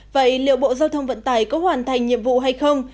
vậy liệu bộ giao thông vận tải có hoàn thành nhiệm vụ hay không